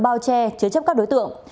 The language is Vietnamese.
bao che chứa chấp các đối tượng